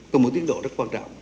cùng với tiến độ rất quan trọng